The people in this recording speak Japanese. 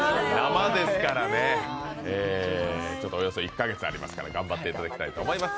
生ですからね、およそ１か月ありますから頑張っていただきたいと思います。